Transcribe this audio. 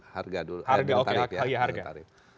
harga dulu harga oke ya harga